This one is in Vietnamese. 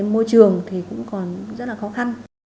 môi trường thì cũng còn rất là khó khăn